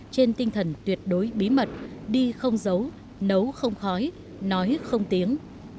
trên tinh thần tuyệt đối bí mật đi không giấu nấu không khói nói không tiếng